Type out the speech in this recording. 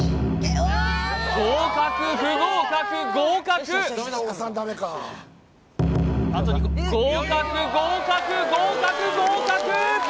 合格不合格合格合格合格合格合格！